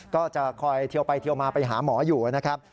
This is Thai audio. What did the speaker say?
ก็จะคอยเทียวไปเทียวมาไปหาหมออยู่นะครับ